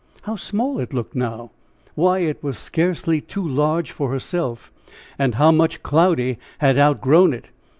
How small it looked now; why, it was scarcely too large for herself! And how much Cloudy had outgrown it!